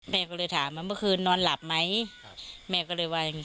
แม่ก็เลยถามว่าเมื่อคืนนอนหลับไหมแม่ก็เลยว่าอย่างนี้